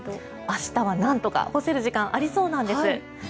明日はなんとか干せる時間ありそうなんです。